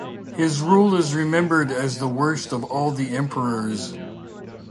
His rule is remembered as the worst of all the emperors.